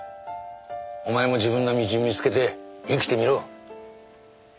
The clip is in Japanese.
お前も自分の道見つけて生きてみろ。